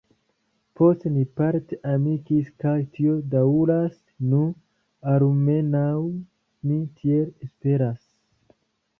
Poste ni parte amikis kaj tio daŭras nu, almenaŭ mi tiel esperas.